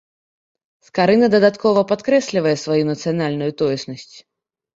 Скарына дадаткова падкрэслівае сваю нацыянальную тоеснасць.